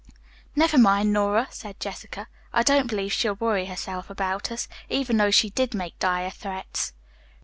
"Never mind, Nora," said Jessica, "I don't believe she'll worry herself about us, even though she did make dire threats."